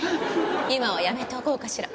今はやめておこうかしら。